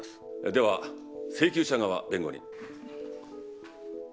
では請求者側弁護人。